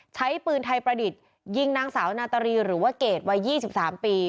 ใช้ปืนไทยประดิษฐ์ยิงนางสาวนาตรีหรือว่าเกรดวัย๒๓ปี